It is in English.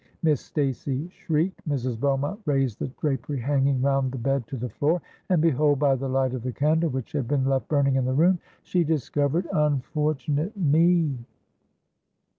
Miss Stacey shrieked; Mrs. Beaumont raised the drapery hanging round the bed to the floor—and, behold! by the light of the candle which had been left burning in the room, she discovered unfortunate me!